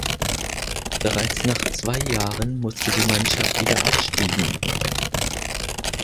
Bereits nach zwei Jahren musste die Mannschaft wieder abstiegen.